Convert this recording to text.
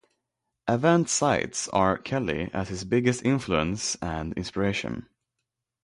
Avant cites R. Kelly as his biggest influence and inspiration.